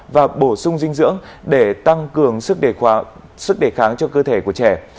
và bổ sung dinh dưỡng để tăng cường sức đề kháng cho cơ thể của trẻ